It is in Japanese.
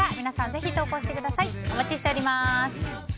ぜひ投稿してください。